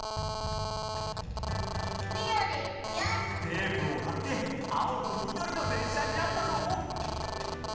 テープをはってあおとみどりのでんしゃになったぞ！